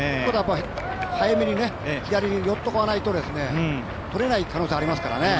早めに左に寄っておかないと、とれない可能性がありますからね。